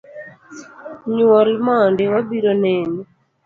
Nyuol mondi, wabiro neni